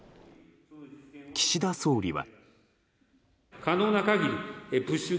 岸田総理は。